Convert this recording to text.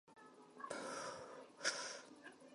In Denmark a hook turn is mandatory for bicycles.